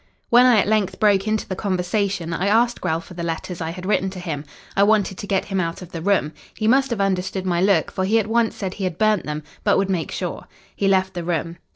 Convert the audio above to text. "When I at length broke into the conversation I asked Grell for the letters I had written to him. I wanted to get him out of the room. He must have understood my look, for he at once said he had burnt them, but would make sure. He left the room.